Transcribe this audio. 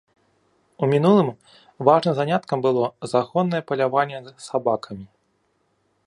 У мінулым важным заняткам было загоннае паляванне з сабакамі.